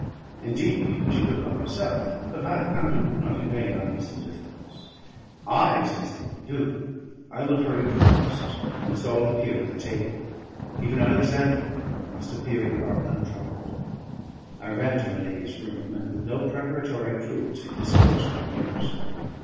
Indeed, he should have gone himself, but I counted not in vain on his indifference. "Ay," says he, "do. I will hurry breakfast: we must all appear at the table, even Alexander; it must appear we are untroubled." I ran to my lady's room, and with no preparatory cruelty disclosed my news.